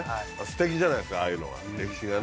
すてきじゃないですかああいうのは歴史がね。